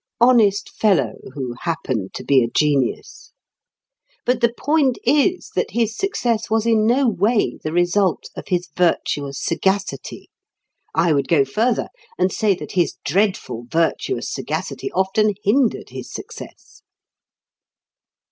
Honest fellow, who happened to be a genius! But the point is that his success was in no way the result of his virtuous sagacity. I would go further, and say that his dreadful virtuous sagacity often hindered his success.